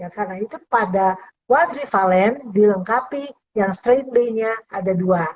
karena itu pada quadrivalent dilengkapi yang strain b nya ada dua